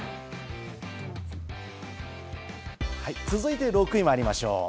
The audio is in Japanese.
続いて６位にまいりましょう。